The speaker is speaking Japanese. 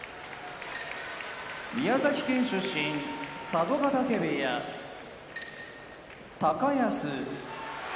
宮崎県出身佐渡ヶ嶽部屋高安